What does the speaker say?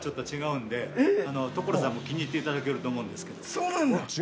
そうなんだ！